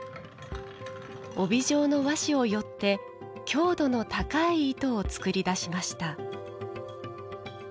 帯状の和紙をよって強度の高い糸を作り出しました。